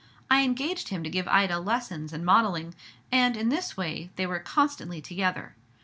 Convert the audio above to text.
I engaged him to give Ida lessons in modelling, and, in this way, they were constantly together.